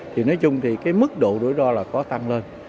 thì nói chung thì cái mức độ rủi ro là có tăng lên